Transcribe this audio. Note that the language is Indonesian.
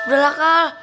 udah lah kal